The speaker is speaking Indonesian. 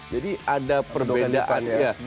jadi ada perbedaannya